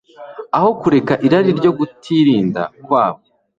aho kureka irari ryo kutirinda kwabo.